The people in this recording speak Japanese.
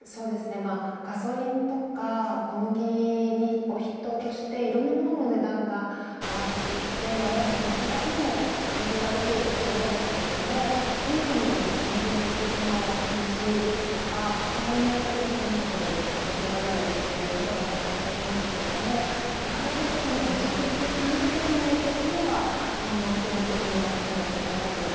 ガソリンとか小麦を筆頭としていろんなものの値段が上がっていって私たちの生活にも影響が出ているところですがインドによる小麦の輸出の禁止ですとかそれによって周辺国に影響が出ることが懸念されていますけれども世界中で２次的、３次的な影響というのが大きくなっていくのがとても心配です。